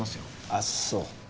あっそう。